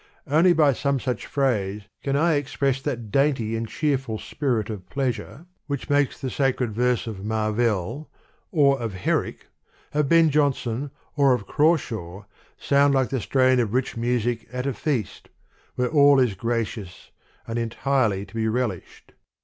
Only by some such phrase, can I express that dainty and cheerful spirit of pleasure, which makes the sacred verse of Marvell or of THE POEMS OF MR. BRIDGES. Herrick, of Ben Jonson or of Crashaw, sound like the strain of rich music at a feast, where all is gracious and entirely to be relished.